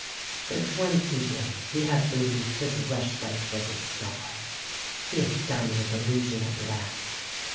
For twenty years he had believed his rushlight was a star — he had done with illusion at last.